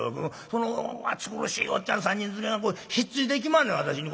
その暑苦しいおっちゃん３人連れがひっついてきまんねん私に。